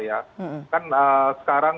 ya kan sekarang